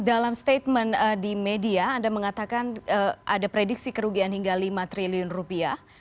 dalam statement di media anda mengatakan ada prediksi kerugian hingga lima triliun rupiah